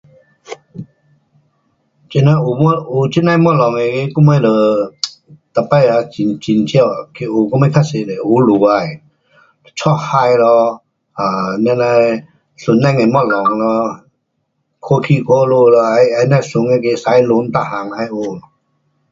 这样有，有这样的东西我们就 um 这次啊很，很少去有，我们较多是有下海，出海咯，um 这样的船里的东西咯，看起看下来，and then 船那个驾船全部要有。